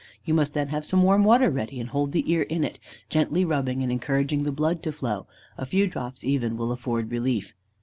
You must then have some warm water ready and hold the ear in it, gently rubbing and encouraging the blood to flow, a few drops even will afford relief.